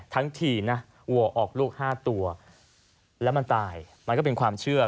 ทั้งทีนะวัวออกลูก๕ตัวแล้วมันตายมันก็เป็นความเชื่อ